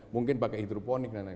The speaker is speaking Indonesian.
mungkin pakai hidroponik dan lain lain